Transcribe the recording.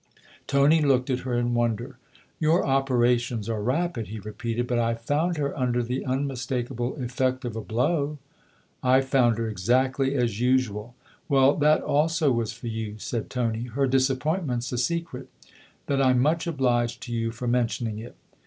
Tony looked at her in wonder. " Your operations THE OTHER HOUSE 87 are rapid/' he repeated. " But I found her under the unmistakable effect of a blow." " I found her exactly as usual." " Well, that also was for you/' said Tony. " Her disappointment's a secret." " Then I'm much obliged to you for mentioning it."